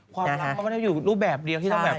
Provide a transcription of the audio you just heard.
ความรักก็ไม่ได้อยู่รูปแบบเดียวที่ต้องแบบ